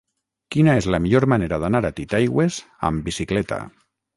Quina és la millor manera d'anar a Titaigües amb bicicleta?